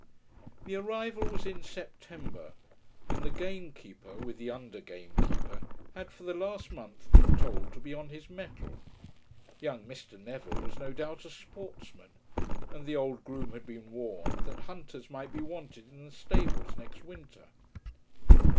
The arrival was in September, and the game keeper, with the under gamekeeper, had for the last month been told to be on his mettle. Young Mr. Neville was no doubt a sportsman. And the old groom had been warned that hunters might be wanted in the stables next winter.